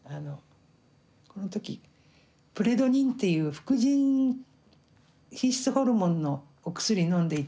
この時プレドニンっていう副腎皮質ホルモンのお薬のんでいて。